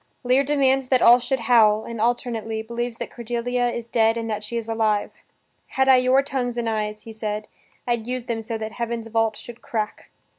Lear demands that all should howl, and, alternately, believes that Cordelia is dead and that she is alive. "Had I your tongues and eyes," he says "I'd use them so that heaven's vault should crack."